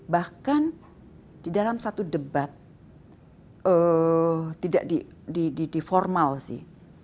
bahkan di dalam satu debat tidak di formal sih